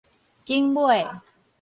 景尾